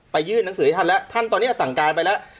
ยื่นหนังสือให้ท่านแล้วท่านตอนนี้สั่งการไปแล้ว